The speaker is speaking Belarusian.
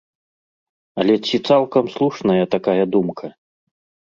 Але ці цалкам слушная такая думка?